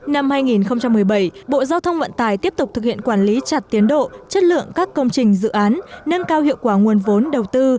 năm hai nghìn một mươi bảy bộ giao thông vận tải tiếp tục thực hiện quản lý chặt tiến độ chất lượng các công trình dự án nâng cao hiệu quả nguồn vốn đầu tư